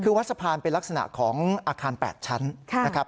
คือวัดสะพานเป็นลักษณะของอาคาร๘ชั้นนะครับ